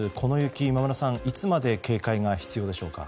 今村さん、この雪いつまで警戒が必要でしょうか。